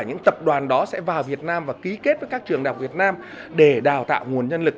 và những tập đoàn đó sẽ vào việt nam và ký kết với các trường đạo việt nam để đào tạo nguồn nhân lực